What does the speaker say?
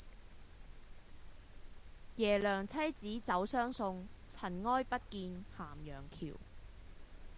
耶娘妻子走相送，塵埃不見咸陽橋。